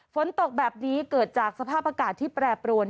ฝนตกแบบนี้เกิดจากสภาพอากาศที่แปรปรวน